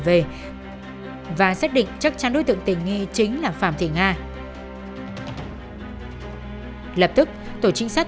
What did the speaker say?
về và xác định chắc chắn đối tượng tình nghi chính là phạm thị nga lập tức tổ trinh sát